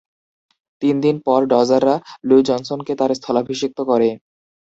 তিন দিন পর ডজাররা লু জনসনকে তার স্থলাভিষিক্ত করে।